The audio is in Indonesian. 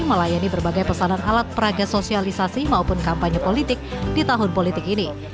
melayani berbagai pesanan alat peraga sosialisasi maupun kampanye politik di tahun politik ini